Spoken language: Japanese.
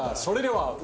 それでは。